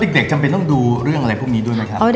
จำเป็นต้องดูเรื่องอะไรพวกนี้ด้วยไหมครับ